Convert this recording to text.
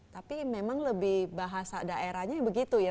tapi memang lebih bahasa daerahnya begitu ya